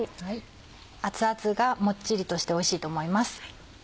熱々がモッチリとしておいしいと思います。